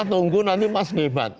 kita tunggu nanti mas hebat